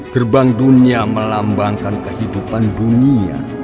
gerbang dunia melambangkan kehidupan dunia